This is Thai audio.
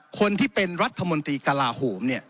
คนที่เป็นรัฐมนตรีกลาโหมเนี่ย